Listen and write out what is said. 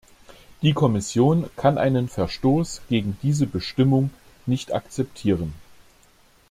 Die Kommission kann einen Verstoß gegen diese Bestimmung nicht akzeptieren.